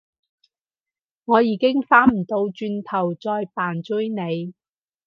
我已經返唔到轉頭再扮追你